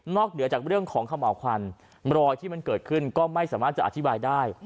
เหนือจากเรื่องของเขม่าวควันรอยที่มันเกิดขึ้นก็ไม่สามารถจะอธิบายได้